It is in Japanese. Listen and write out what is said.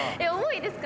いいですか？